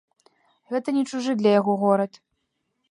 Гэта не чужы для яго горад.